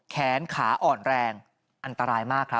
แขนขาอ่อนแรงอันตรายมากครับ